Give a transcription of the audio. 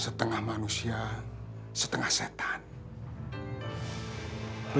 kenapa tempat itu